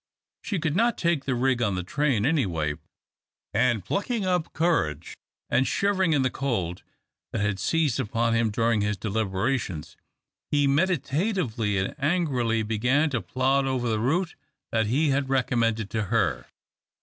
She could not take the rig on the train, anyway, and plucking up courage, and shivering in the cold that had seized upon him during his deliberations, he meditatively and angrily began to plod over the route that he had recommended to her.